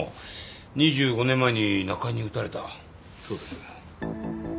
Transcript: ２５年前に中井に撃たれたそうです